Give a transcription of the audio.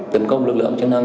tấn công lực lượng chức năng